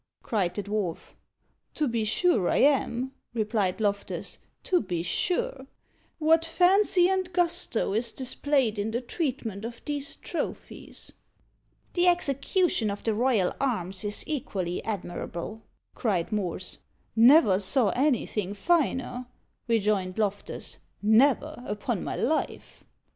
cried the dwarf. "To be sure I am," replied Loftus "to be sure. What fancy and gusto is displayed in the treatment of these trophies!" "The execution of the royal arms is equally admirable," cried Morse. "Never saw anything finer," rejoined Loftus "never, upon my life."